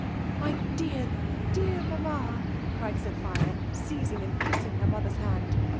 *< My dear, dear mamma !'' cried Sophia, seimng and kissing her mother's hand.